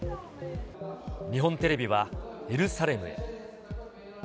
日本テレビはエルサレムへ。